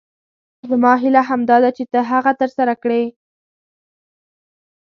زما هیله همدا ده چې ته هغه تر سره کړې.